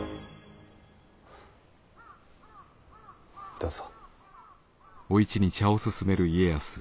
どうぞ。